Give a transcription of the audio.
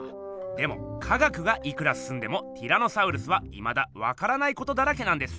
でも科学がいくらすすんでもティラノサウルスはいまだわからないことだらけなんです。